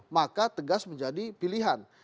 maka tegas menjadi pilihan